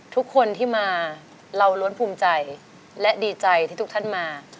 ทุกคนที่มาเราล้วนภูมิใจและดีใจที่ทุกท่านมา